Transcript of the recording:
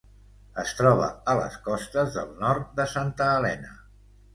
Es troba a les costes del nord de Santa Helena.